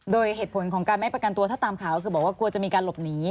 โดยเหตุผลของการไม่ประกันตัวถ้าตามข่าวก็คือบอกว่ากลัวจะมีการหลบหนี